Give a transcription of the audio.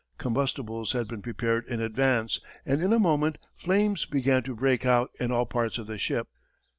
Combustibles had been prepared in advance, and in a moment, flames began to break out in all parts of the ship.